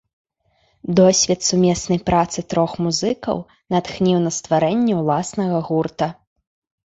Досвед сумеснай працы трох музыкаў натхніў на стварэнне ўласнага гурта.